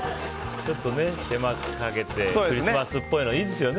ちょっと手間かけてクリスマスっぽいのいいですよね。